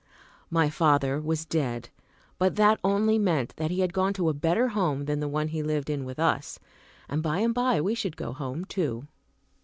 My father was dead; but that only meant that he had gone to a better home than the one be lived in with us, and by and by we should go home, too.